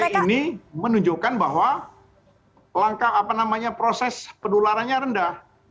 ct ini menunjukkan bahwa langkah proses penularannya rendah